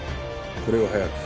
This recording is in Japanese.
これを速く。